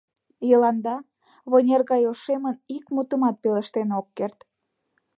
Йыланда вынер гай ошемын, ик мутымат пелештен ок керт.